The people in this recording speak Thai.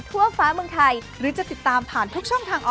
ขอให้เหลือสักข่าวหนึ่ง